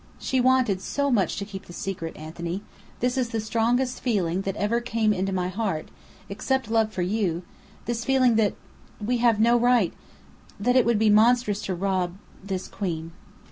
She wanted so much to keep the secret. Anthony this is the strongest feeling that ever came into my heart except love for you, this feeling that we have no right that it would be monstrous to rob this queen."